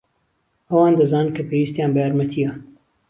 ئەوان دەزانن کە پێویستیان بە یارمەتییە.